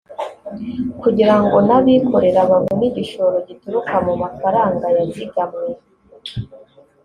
kugira ngo n’abikorera babone igishoro gituruka mu mafaranga yazigamwe